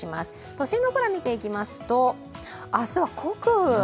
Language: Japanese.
都心の空を見ていきますと、明日は穀雨。